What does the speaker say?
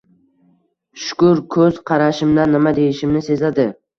Shukur, ko`z qarashimdan nima deyishimni sezadi